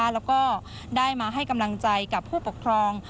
แล้วก็ได้มาให้กำลังใจกับผู้ปกครอง